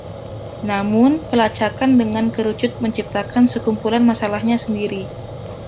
Namun, pelacakan dengan kerucut menciptakan sekumpulan masalahnya sendiri.